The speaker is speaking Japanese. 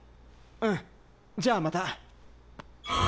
うんじゃあまた。